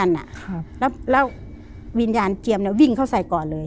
นางเจียมน่ะ